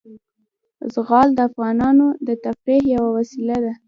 زغال د افغانانو د تفریح یوه وسیله ده.